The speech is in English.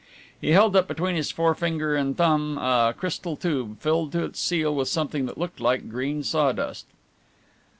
He held up between his forefinger and thumb a crystal tube, filled to its seal with something that looked like green sawdust.